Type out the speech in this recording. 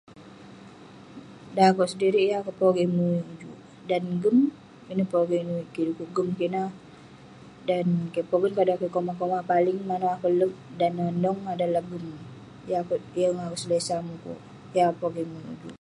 Dan akouk sedirik yeng akouk pogeng muik ujuk. Dan gem, ineh pogeng nuik kik dekuk gem kik ineh dan akouk pogen kah dan kik komah komah. Paling manouk akouk lerk dan neh nong adalah gem. Yeng akouk selesa mukuk. Yeng akouk pogeng muik ujuk.